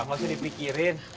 enggak usah dipikirin